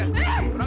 eh apa apa